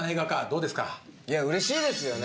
うれしいですよね